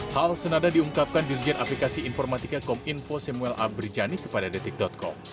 hal senada diungkapkan dirijen aplikasi informatika kominfo samuel abrijani kepada detik com